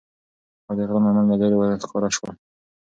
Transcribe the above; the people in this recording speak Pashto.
او د غره لمن له لیری ورښکاره سول